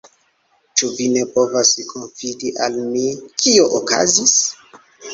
Ĉu vi ne povas konfidi al mi, kio okazis?